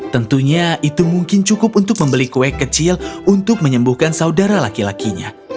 tentunya itu mungkin cukup untuk membeli kue kecil untuk menyembuhkan saudara laki lakinya